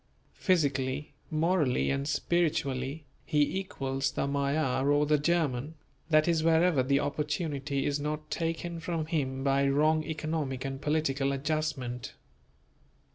Physically, morally and spiritually, he equals the Magyar or the German; that is, wherever the opportunity is not taken from him by wrong economic and political adjustment.